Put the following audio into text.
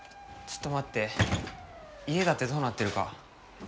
ちょっと待って家だってどうなってるか。